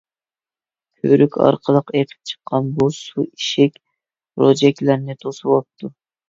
كۆۋرۈك ئارقىلىق ئېقىپ چىققان بۇ سۇ ئىشىك، روجەكلەرنى توسۇۋاپتۇ.